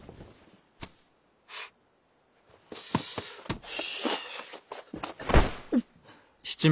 よし。